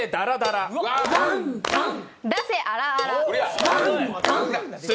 だせあらあら。